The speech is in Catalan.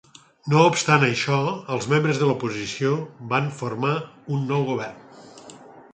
No obstant això els membres de l'oposició van formar un nou govern.